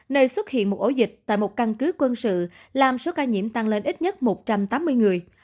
nơi xuất hiện một ổ dịch tại một căn cứ quân sự làm số ca nhiễm tăng lên ít nhất một trăm tám mươi người